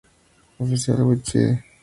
Oficial website